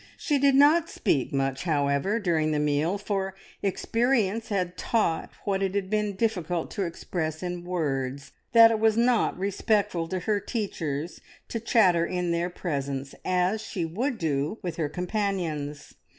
She did not speak much, however, during the meal, for experience had taught what it had been difficult to express in words that it was not respectful to her teachers to chatter in their presence, as she would do with her companions.